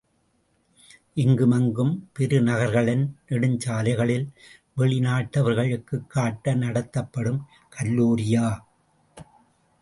இங்கும் அங்கும் பெருநகர்களின் நெடுஞ்சாலைகளில் வெளி நாட்டவர்களுக்குக் காட்ட நடத்தப்படும் கல்லூரியா?